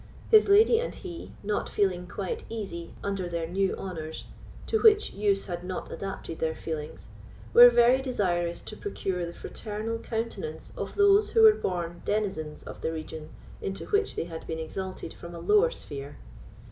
His lady and he, not feeling quite easy under their new honours, to which use had not adapted their feelings, were very desirous to procure the fraternal countenance of those who were born denizens of the regions into which they had been exalted from a lower sphere.